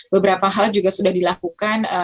beberapa hal juga sudah dilakukan